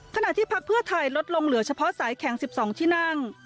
ขณะที่พักเพื่อไทยลดลงเหลือเฉพาะสายแข่ง๑๒ที่นั่ง